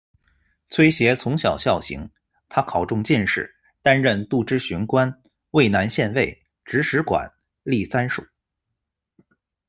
崔协从小孝行，他考中进士，担任度支巡官、渭南县尉、直史馆，历三署。